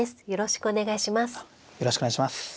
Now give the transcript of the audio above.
よろしくお願いします。